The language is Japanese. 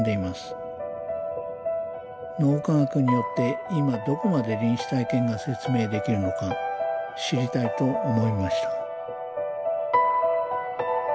脳科学によって今どこまで臨死体験が説明できるのか知りたいと思いました